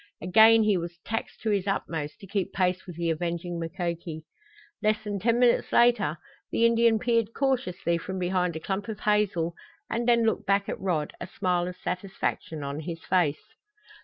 Again he was taxed to his utmost to keep pace with the avenging Mukoki. Less than ten minutes later the Indian peered cautiously from behind a clump of hazel, and then looked back at Rod, a smile of satisfaction on his face.